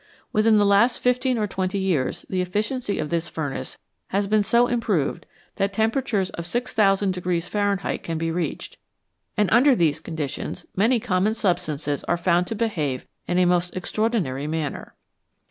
Within the last fifteen or twenty years the efficiency of this furnace has been so improved that temperatures of 6000 Fahrenheit can be reached, and under these conditions many common substances are found to behave in a most extraordinary manner.